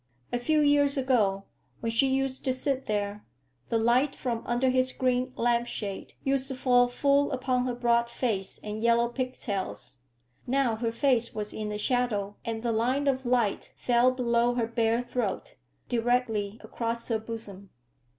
A few years ago, when she used to sit there, the light from under his green lampshade used to fall full upon her broad face and yellow pigtails. Now her face was in the shadow and the line of light fell below her bare throat, directly across her bosom.